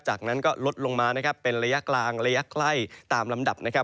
จากนั้นก็ลดลงมานะครับเป็นระยะกลางระยะใกล้ตามลำดับนะครับ